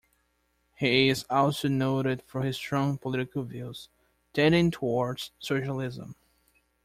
He is also noted for his strong political views, tending towards socialism.